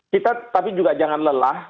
kita tapi juga jangan lelah